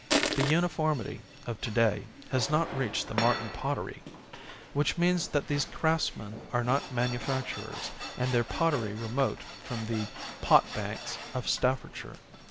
The uniformity of to day has not reached the Martin pottery ; which means that these craftsmen are not manufacturers and their pottery remote from the " pot banks " of Staffordshire.